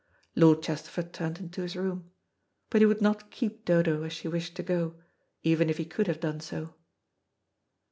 Lord Chesterford turned into his room. But he would not keep Dodo, as she wished to go, even if he could have done so.